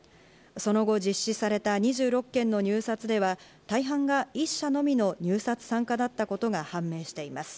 その後、実施された２６件の入札では、大半が１社のみの入札参加だったことが判明しています。